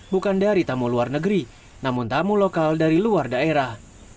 bukan dari tamu luar negeri namun tamu lokal dari luar daerah